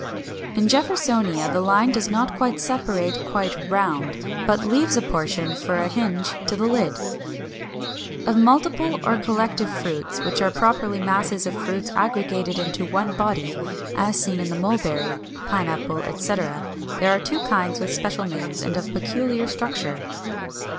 In Jeffersonia, the line does not separate quite round, but leaves a portion for a hinge to the lid. 377. Of Multiple or Collective Fruits, which are properly masses of fruits aggregated into one body (as is seen in the Mulberry (Fig. 408), Pine apple, etc.), there are two kinds with special names and of peculiar structure.